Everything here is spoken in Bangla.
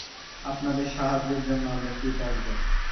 আপনাদের সাহায্যের জন্য আমরা কৃতজ্ঞ।